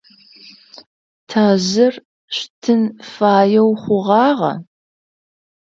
Тазыр шъутын фаеу хъугъагъа?